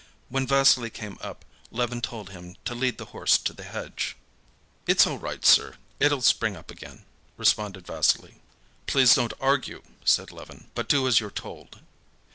When Vassily came up, Levin told him to lead the horse to the hedge. "It's all right, sir, it'll spring up again," responded Vassily. "Please don't argue," said Levin, "but do as you're told."